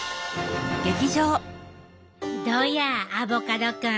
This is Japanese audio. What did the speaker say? どやアボカドくん。